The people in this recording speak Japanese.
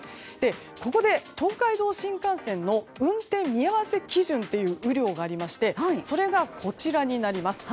ここで、東海道新幹線の運転見合わせ基準という雨量がありましてそれが、こちらです。